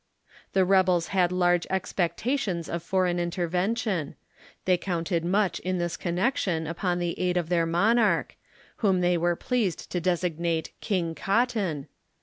The rebels had large expectations of foreign intervention. They counted much in this connection, upon the aidof their monarch, whom they were pleased to designate king cotton.